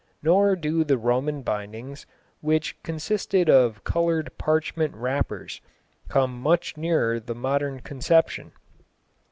Nor do the Roman bindings, which consisted of coloured parchment wrappers, come much nearer the modern conception.